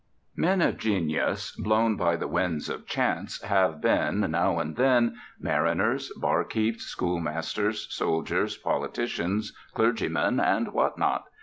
Men of genius, blown by the winds of chance, have been, now and then, mariners, bar keeps, schoolmasters, soldiers, politicians, clergymen, and what not.